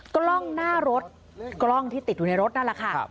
กล้องหน้ารถกล้องที่ติดอยู่ในรถนั่นแหละค่ะ